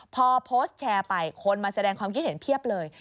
พอโพสต์แชร์ไปคนมาแสดงความคิดเห็นเพียบเลย